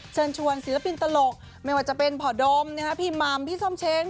เชิญชวนศิลปินตลกไม่ว่าจะเป็นพ่อดมพี่หม่ำพี่ส้มเช้ง